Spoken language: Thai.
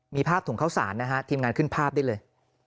มีภาพถุงข้าวสารนะฮะทีมงานขึ้นภาพได้เลย